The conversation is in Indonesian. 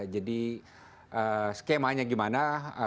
jadi skemanya gimana